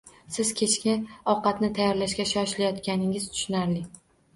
Siz kechki ovqatni tayyorlashga shoshilayotganingiz tushunarli.